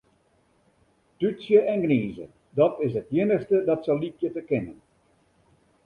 Tútsje en gnize, dat is it iennichste dat se lykje te kinnen.